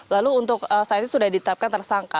lalu untuk saat ini sudah ditetapkan tersangka